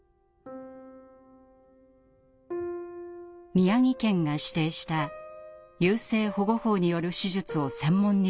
宮城県が指定した優生保護法による手術を専門に行う診療所。